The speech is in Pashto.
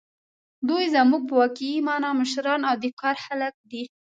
دوی زموږ په واقعي مانا مشران او د کار خلک دي.